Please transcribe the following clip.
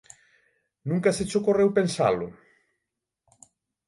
Nunca se che ocorreu pensalo?